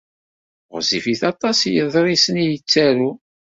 Ɣezzifit aṭas yeḍrisen i yettaru.